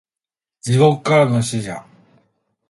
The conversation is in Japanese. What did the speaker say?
地獄からの使者